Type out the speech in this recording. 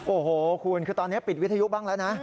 โอ้โหคุณคือตอนนี้ปิดวิทยุบ้างแล้วนะ